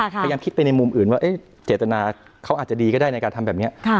พยายามคิดไปในมุมอื่นว่าเจตนาเขาอาจจะดีก็ได้ในการทำแบบนี้